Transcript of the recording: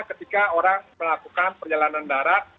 ketika orang melakukan perjalanan darat